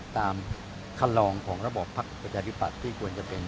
ตามคำลองของระบบพรรคปฏิบัติที่ควรจะเป็น